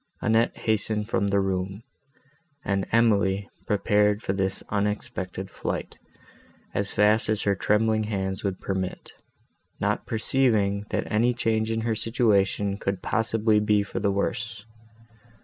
Annette hastened from the room; and Emily prepared for this unexpected flight, as fast as her trembling hands would permit, not perceiving, that any change in her situation could possibly be for the worse.